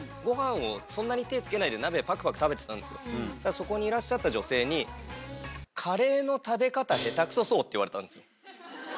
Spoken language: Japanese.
そこにいらっしゃった女性に。って言われたんですよ。